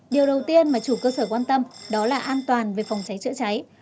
điều đầu tiên mà chủ cơ sở quan tâm đó là an toàn về phòng cháy chữa cháy